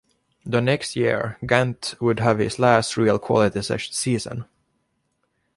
The next year, Gant would have his last real quality season.